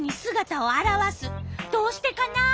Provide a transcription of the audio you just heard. どうしてかな？